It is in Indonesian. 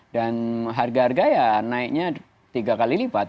dan harga harga ya naiknya tiga kali lipat